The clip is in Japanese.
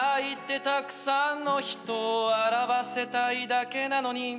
「たくさんの人を笑わせたいだけなのに」